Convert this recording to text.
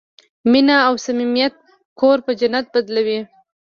مینه او صمیمیت کور په جنت بدلوي.